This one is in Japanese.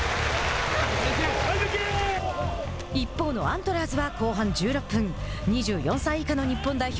一方のアントラーズは後半１６分２４歳以下の日本代表